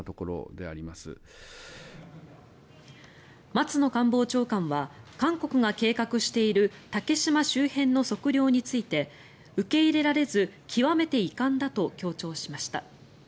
松野官房長官は韓国が計画している竹島周辺の測量について受け入れられず極めて遺憾だと強調しました。